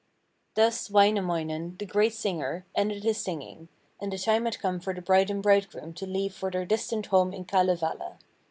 Thus Wainamoinen, the great singer, ended his singing, and the time had come for the bride and bridegroom to leave for their distant home in Kalevala.